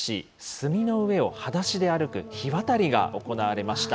炭の上をはだしで歩く火渡りが行われました。